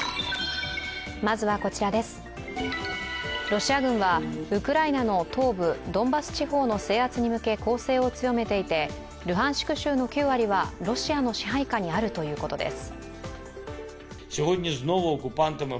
ロシア軍はウクライナの東部ドンバス地方の制圧に向け攻勢を強めていて、ルハンシク州の９割はロシアの支配下にあるということです。